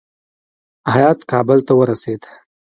هیات کابل ته ورسېد.